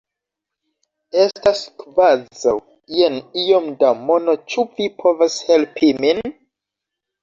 Estas kvazaŭ jen iom da mono ĉu vi povas helpi min?